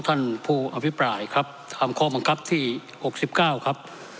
ท่านผู้อภิปรายครับตามข้อบังคับที่๖๙ครับ